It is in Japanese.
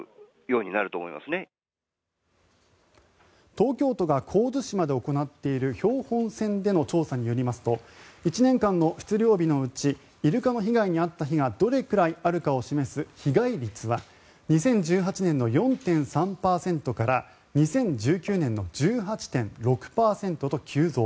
東京都が神津島で行っている標本船での調査によりますと１年間の出漁日のうちイルカの被害に遭った日がどれくらいあるかを示す被害率は２０１８年の４．３％から２０１９年の１８．６％と急増。